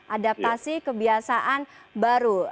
adaptasi kebiasaan baru